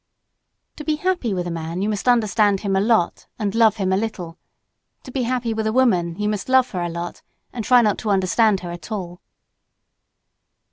To be happy with a man you must understand him a lot and love him a little; to be happy with a woman you must love her a lot and not try to understand her at all.